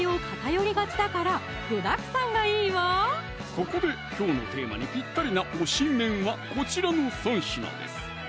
そこできょうのテーマにぴったりな推し麺はこちらの３品です